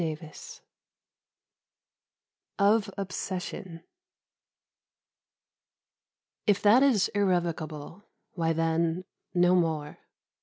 XXXV OF OBSESSION If that is irrevocable why, then, no more.